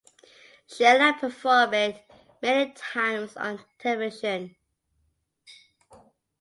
Sheila performed it many times on television.